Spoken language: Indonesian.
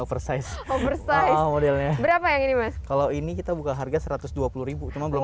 oversize oversi modelnya berapa yang ini mas kalau ini kita buka harga rp satu ratus dua puluh cuma belum